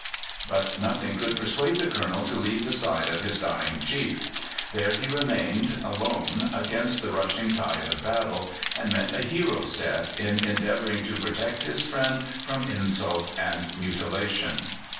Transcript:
But nothing could persuade the Colonel to leave the side of his dying chief. There he remained, alone against the rushing tide of battle, and met a hero's death in endeavouring to protect his friend from insult and mutilation.